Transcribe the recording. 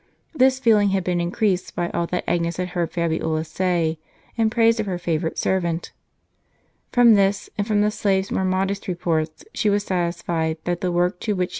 This feeling had been increased by all that Agnes had heard Fabiola say, in praise of her favorite servant. From this, and from the slave's more modest reports, she was satisfied that the work to which she * Thomass. p. 792.